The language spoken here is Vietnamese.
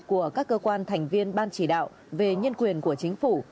của các cơ quan thành viên ban chỉ đạo về nhân quyền của chính phủ